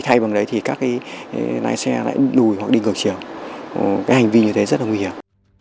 thay bằng đấy thì các cái lái xe lại lùi hoặc đi ngược chiều cái hành vi như thế rất là nguy hiểm